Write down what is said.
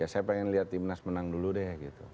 ya saya pengen lihat tim nas menang dulu deh gitu